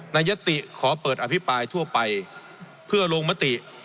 ยติขอเปิดอภิปรายทั่วไปเพื่อลงมติ